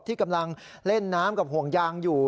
ที่กำลังเล่นน้ำกับห่วงยางอยู่